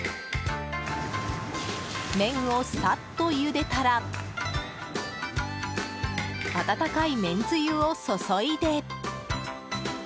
麺をさっとゆでたら温かいめんつゆを注いで。